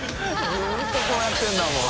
ずっとこうやってるんだもん。